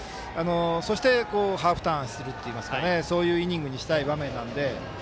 そしてハーフターンするというそういうイニングにしたい場面なので。